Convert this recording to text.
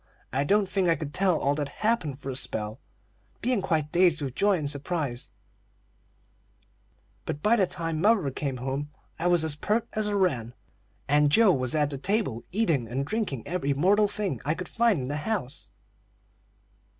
I don't think I could tell all that happened for a spell, being quite dazed with joy and surprise; but by the time mother came home I was as peart as a wren, and Joe was at the table eating and drinking every mortal thing I could find in the house.